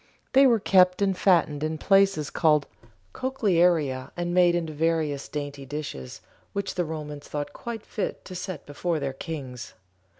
They were kept and fattened in places called "Cochlearia" and made into various "dainty dishes" which the Romans thought quite fit to set before their kings.